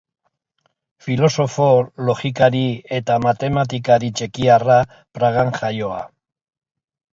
Filosofo, logikari eta matematikari txekiarra, Pragan jaioa.